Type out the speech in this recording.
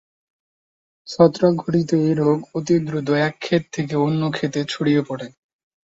ছত্রাক ঘটিত এই রোগ অতি দ্রুত এক ক্ষেত থেকে অন্য ক্ষেতে ছড়িয়ে পড়ে।